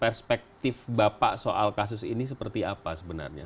perspektif bapak soal kasus ini seperti apa sebenarnya